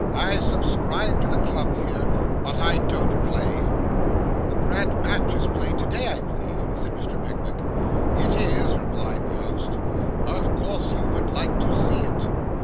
I subscribe to the club here, but I don't play.' 'The grand match is played to day, I believe,' said Mr. Pickwick. 'It is,' replied the host. 'Of course you would like to see it.